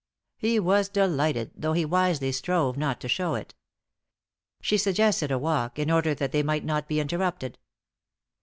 He was delighted, though he wisely strove not to shew it. She suggested a walk, in order that they might not be interrupted.